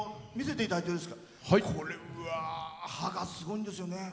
うわー歯がすごいんですよね。